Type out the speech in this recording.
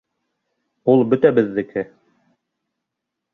Ул бөтәбеҙҙеке!